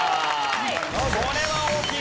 これは大きいです。